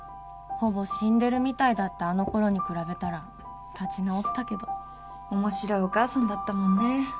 ほぼ死んでるみたいだったあの頃に比べたら立ち直ったけど面白いお母さんだったもんね